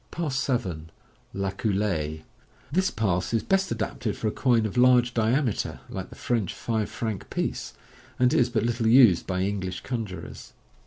Pass 7. {La Coulee). — This pass is best adapted for a coin of large diameter, like the French five franc piece, and is but little used by English conjurors.